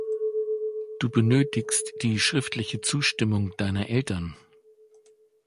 Du benötigst die schriftliche Zustimmung deiner Eltern.